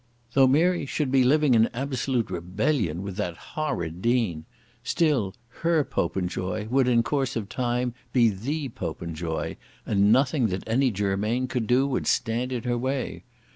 Though Mary should be living in absolute rebellion with that horrid Dean, still her Popenjoy would in course of time be the Popenjoy, and nothing that any Germain could do would stand in her way.